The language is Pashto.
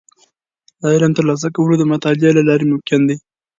د علم ترلاسه کول د مطالعې له لارې ممکن دي.